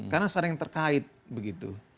karena saling terkait begitu